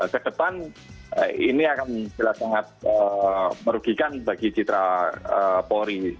kedepan ini akan jelas sangat merugikan bagi citra polri